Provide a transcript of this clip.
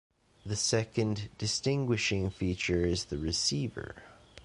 The second distinguishing feature is the receiver.